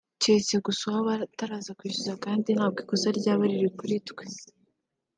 keretse gusa uwaba ataraza kwishyuza kandi ntabwo ikosa ryaba riri kuri twebwe